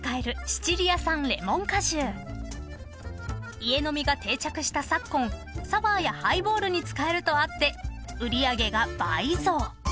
［家飲みが定着した昨今サワーやハイボールに使えるとあって売り上げが倍増］